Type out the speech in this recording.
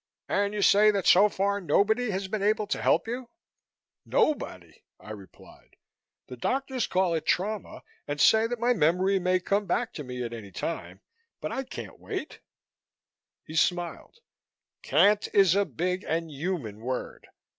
"And you say that so far nobody has been able to help you?" "Nobody," I replied. "The doctors call it trauma and say that my memory may come back to me at any time, but I can't wait." He smiled. "'Can't' is a big and human word.